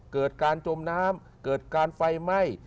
เกิดการจมน้ำเกิดการไฟไหม้